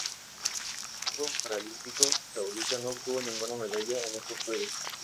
El equipo paralímpico saudita no obtuvo ninguna medalla en estos Juegos.